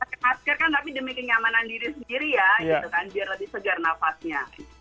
pakai masker kan tapi demi kenyamanan diri sendiri ya gitu kan biar lebih segar nafasnya